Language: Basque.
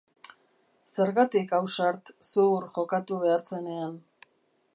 Zergatik ausart, zuhur jokatu behar zenean?